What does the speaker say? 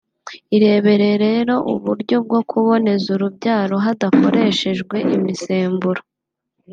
Irebere rero uburyo bwo kuboneza urubyaro hadakoreshejwe imisemburo